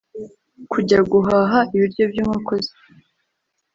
kujya guhaha ibiryo by’inkoko ze